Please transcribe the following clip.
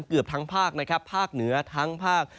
เกือบทั้งภาคนะครับภาคเหนือทั้งภาค